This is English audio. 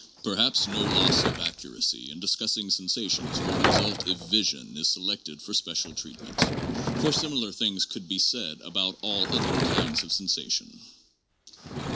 Perhaps no loss of accuracy in discussing sensations will result if vision is selected for special treatment; for similar things could be said about all other kinds of sensations.